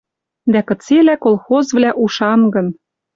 Дӓ кыцелӓ колхозвлӓ, ушангын